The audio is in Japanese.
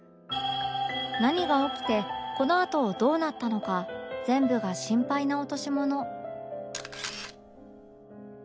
何が起きてこのあとどうなったのか全部が心配な落とし物